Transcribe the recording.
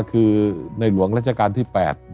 คือในหลวงราชการที่๘